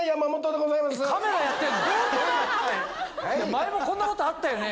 前もこんなことあったよね？